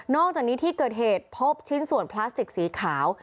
อกจากนี้ที่เกิดเหตุพบชิ้นส่วนพลาสติกสีขาว